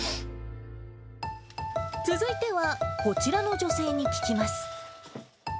続いては、こちらの女性に聞きます。